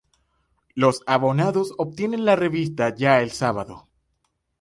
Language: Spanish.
Los abonados obtienen la revista ya el sábado.